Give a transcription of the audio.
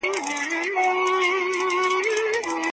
که علم په پښتو وي، نو پوهه تل تازه پاتېږي.